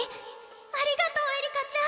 ありがとうえりかちゃん！